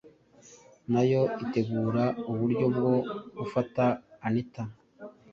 nayo itegura uburyo bwo gufata anita